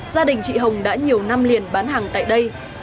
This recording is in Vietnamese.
gia đình chị hồng đã nhiều năm liền bán hàng tại đây